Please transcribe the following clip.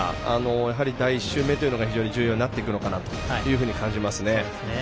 やはり第１週目というのが非常に大事になってくるのかなというふうに感じますね。